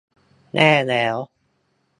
แย่แล้ว !